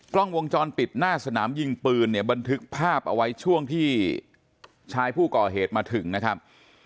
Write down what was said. กล้องวงจรปิดหน้าสนามยิงปืนเนี่ยบันทึกภาพเอาไว้ช่วงที่ชายผู้ก่อเหตุมาถึงนะครับ